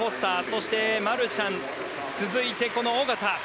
そしてマルシャン続いて小方。